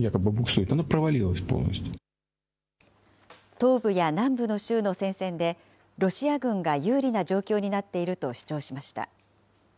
東部や南部の州の戦線で、ロシア軍が有利な状況になっていると主張しました。